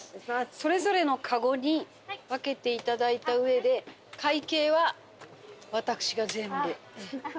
それぞれの籠に分けて頂いた上で会計は私が全部。